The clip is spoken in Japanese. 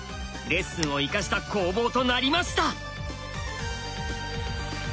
レッスンを生かした攻防となりました。